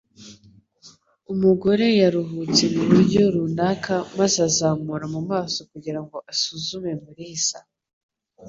Umugore yaruhutse mu buryo runaka maze azamura mu maso kugira ngo asuzume Mulisa.